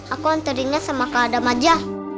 aku anterinnya sama kak adam aja